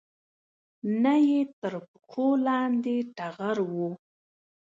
نه یې تر پښو لاندې ټغر و